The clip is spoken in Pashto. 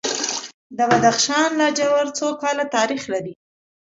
د بدخشان لاجورد څو کاله تاریخ لري؟